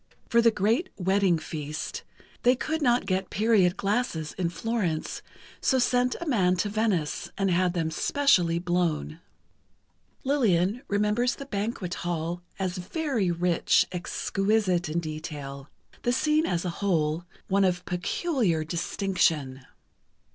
For the great wedding feast, they could not get period glasses in Florence, so sent a man to Venice, and had them specially blown. Lillian remembers the banquet hall as very rich, exquisite in detail—the scene as a whole, one of peculiar distinction.